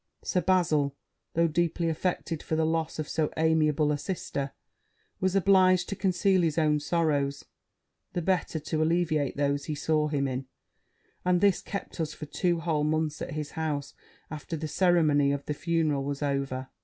Sir Bazil, though deeply affected for the loss of so amiable a sister, was obliged to conceal his own sorrows, the better to allieviate those he saw him in; and this kept us for two whole months at his house after the ceremony of the funeral was over.